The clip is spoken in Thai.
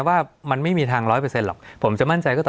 ว่ามันไม่มีทางร้อยเปอร์เซ็นหรอกผมจะมั่นใจก็ต่อ